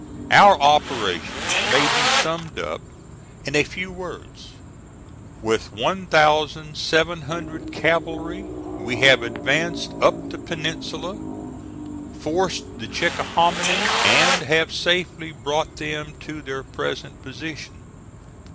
"Our operations may be summed up in a few words. With one thousand seven hundred cavalry we have advanced up the Peninsula, forced the Chickahominy, and have safely, brought them to their present position.